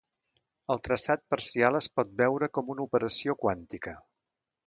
El traçat parcial es pot veure com una operació quàntica.